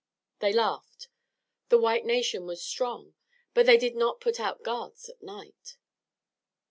They laughed. The white nation was strong, but they did not put out guards at night!